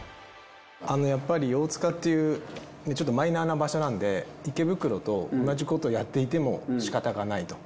やっぱり大塚っていうちょっとマイナーな場所なんで池袋と同じことをやっていてもしかたがないと。